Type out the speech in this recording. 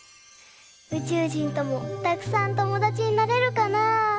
うちゅうじんともたくさんともだちになれるかな。